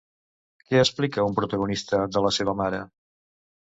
Què explica un protagonista de la seva mare?